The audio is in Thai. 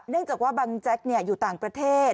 เนื่องจากว่าบังแจ็คอยู่ต่างประเทศ